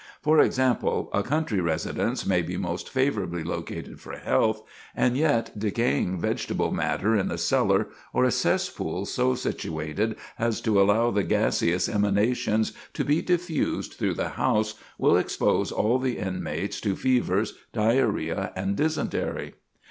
For example, a country residence may be most favorably located for health, and yet decaying vegetable matter in the cellar, or a cesspool so situated as to allow the gaseous emanations to be diffused through the house, will expose all the inmates to fevers, diarrhoea and dysentery.